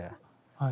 はい。